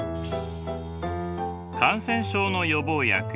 感染症の予防薬